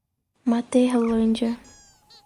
Materlândia